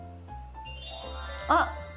あっ！